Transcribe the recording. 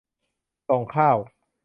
ส่งข้าว